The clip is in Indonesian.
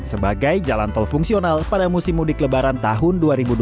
sebagai jalan tol fungsional pada musim mudik lebaran tahun dua ribu dua puluh